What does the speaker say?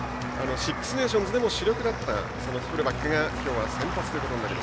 シックス・ネーションズでも主力だったフルバックが今日は先発。